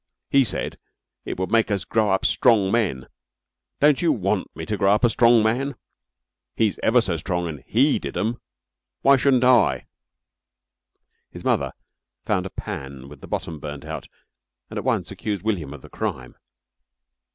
He said it would make us grow up strong men. Don't you want me to grow up a strong man? He's ever so strong an' he did 'em. Why shun't I?" His mother found a pan with the bottom burnt out and at once accused William of the crime.